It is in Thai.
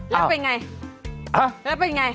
แล้วเป็นยังไง